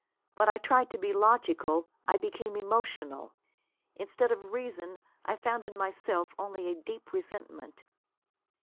When I tried to be logical, I became emotional. Instead of reason I found in myself only a deep resentment.